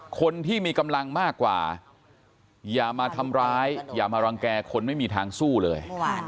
คนที่มีกำลังมากกว่าอย่ามาทำร้ายอย่ามารังแก่คนไม่มีทางสู้เลย